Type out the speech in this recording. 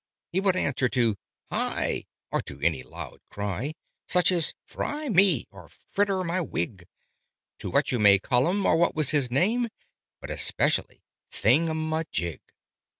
He would answer to "Hi!" or to any loud cry, Such as "Fry me!" or "Fritter my wig!" To "What you may call um!" or "What was his name!" But especially "Thing um a jig!"